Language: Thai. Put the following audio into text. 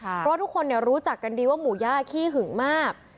เพราะว่าทุกคนรู้จักกันดีว่าหมูย่าขี้หึงมาก